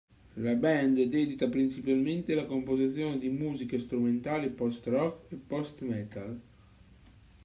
La band è dedita principalmente alla composizione di musica strumentale post-rock e post-metal.